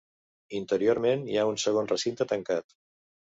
Interiorment hi ha un segon recinte tancat.